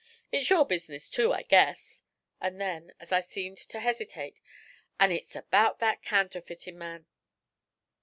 It's your business, too, I guess;' and then, as I seemed to hesitate, 'an' it's about that counterfittin' man.'